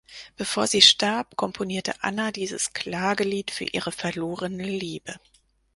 Bevor sie starb, komponierte Anna dieses Klagelied für ihre verlorene Liebe.